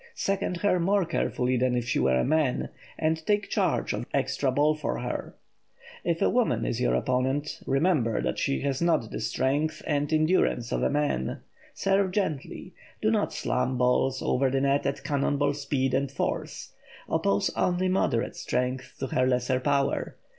Second her more carefully than if she were a man, and take charge of the extra balls for her. If a woman is your opponent, remember she has not the strength and endurance of a man. Serve gently. Do not slam balls over the net at cannonball speed and force. Oppose only moderate strength to her lesser power.